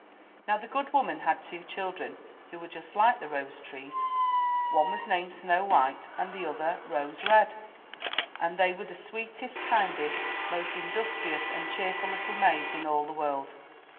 Now the good woman had two children who were just like the rose trees. One was named Snow white and the other Rose red, and they were the sweetest, kindest, most industrious and cheerful little maids in all the world.